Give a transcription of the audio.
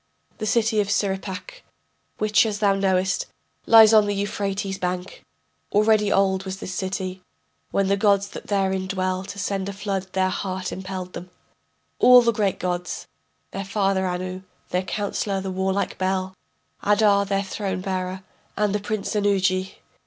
The city Surippak, which, as thou knowest, Lies on the Euphrates' bank, Already old was this city When the gods that therein dwell To send a flood their heart impelled them, All the great gods: their father Anu, Their counsellor the warlike Bel, Adar their throne bearer and the Prince Ennugi.